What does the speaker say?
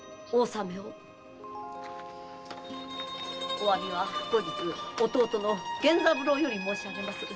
お詫びは後日弟の源三郎より申しあげまする。